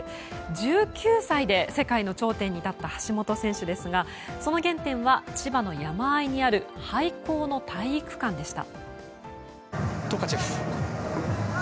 １９歳で世界の挑戦に立った橋本選手ですがその原点は、千葉の山あいにある廃校の体育館でした。